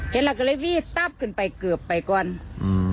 เห็นละกะเลวีตั๊บขึ้นไปเกือบไปก่อนอืม